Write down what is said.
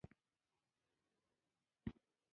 شفافیت په اداره کې اړین دی